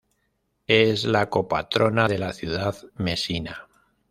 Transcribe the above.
Es la copatrona de la ciudad Mesina.